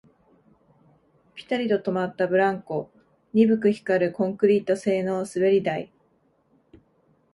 ピタリと止まったブランコ、鈍く光るコンクリート製の滑り台